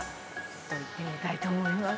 行ってみたいと思います。